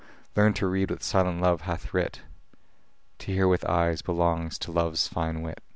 learn to read what silent love hath writ: To hear with eyes belongs to love's fine